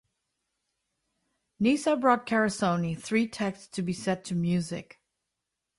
Nisa brought Carosone three texts to be set to music.